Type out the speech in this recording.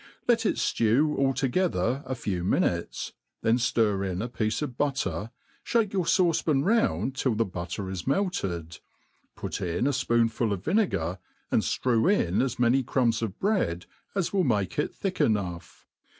Let it (lew all together a few minutes, then Air in a piece of butter, (hake your fauce pan round till your butter is melted, put in a fpoonful of vine ^ gar, and ftrew in as many crumbs of bread as will make it thick enough.